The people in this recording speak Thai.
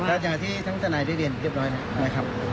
ใช่ครับถ้าอย่างที่ทั้งสนายได้เรียนเรียบร้อยนะครับ